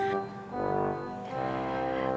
main tebak tebakan terus